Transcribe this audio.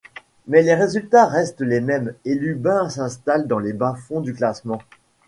Mais les résultats restent les mêmes, et Lubin s'installe dans les bas-fonds du classement.